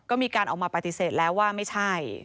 ก็มีการออกมาปฏิเสธแล้วว่าไม่ใช่